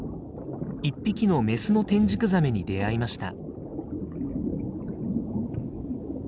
１匹のメスのテンジクザメに出会いました。